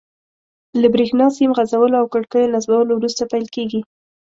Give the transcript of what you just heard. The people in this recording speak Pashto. له بریښنا سیم غځولو او کړکیو نصبولو وروسته پیل کیږي.